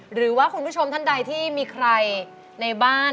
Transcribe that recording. หรือว่าคุณผู้ชมท่านใดที่มีใครในบ้าน